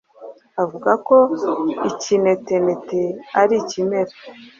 avuga ko ikinetenete ari ikimera